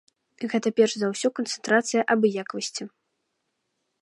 Гэта перш за ўсё канцэнтрацыя абыякавасці.